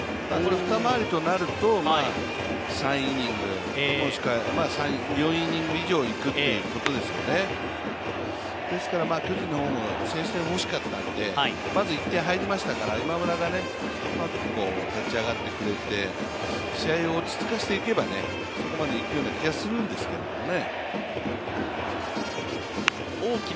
２回りとなると、３イニング、４イニング以上いくといことですねですから巨人の方は先取点欲しかったんでまず１点入りましたから、今村がうまく立ち上がってくれて試合を落ち着かせていけば、そこまでいくような気がするんですけどね。